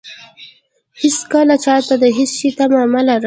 هېڅکله چاته د هېڅ شي تمه مه لرئ.